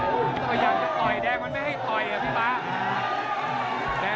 พยายามจะต่อยแดงมันไม่ได้ให้ต่อยครับพี่ป๊า